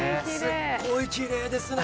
すっごいキレイですね。